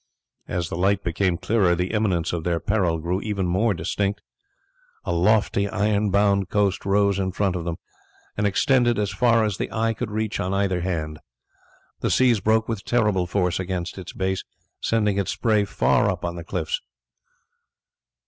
As the light became clearer the imminence of their peril grew more distinct. A lofty iron bound coast rose in front of them, and extended as far as the eye could reach on either hand. The seas broke with terrible force against its base, sending its spray far up on the cliffs.